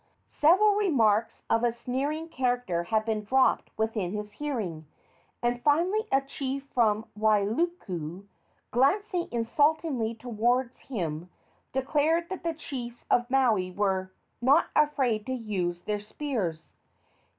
Several remarks of a sneering character had been dropped within his hearing, and finally a chief from Wailuku, glancing insultingly toward him, declared that the chiefs of Maui were "not afraid to use their spears."